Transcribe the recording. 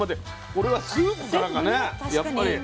これはスープからかねやっぱり。